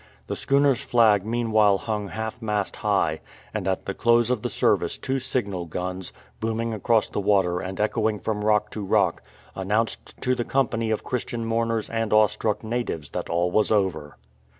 The schooner's flag meanwhile hung half mast high, and at the close of the service two signal guns, booming across the water and echoing from rock to rock, announced to the company of Christian mouiners and awestruck natives that all was over.